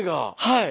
はい。